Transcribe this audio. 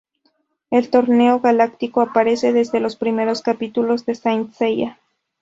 El Torneo Galáctico aparece desde los primeros capítulos de Saint Seiya.